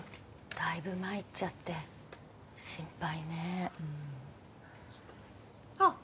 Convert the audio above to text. だいぶ参っちゃって心配ねうんあっ